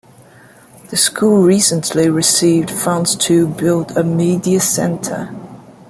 The school recently received funds to build a media center.